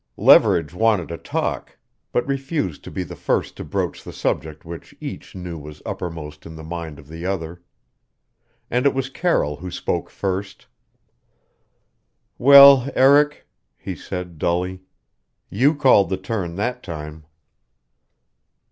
Leverage wanted to talk but refused to be the first to broach the subject which each knew was uppermost in the mind of the other. And it was Carroll who spoke first "Well, Eric," he said dully, "you called the turn that time."